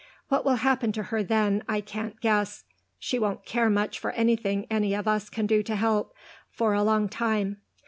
What will happen to her then I can't guess; she won't care much for anything any of us can do to help, for a long time.